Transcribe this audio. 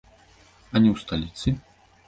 А не ў сталіцы?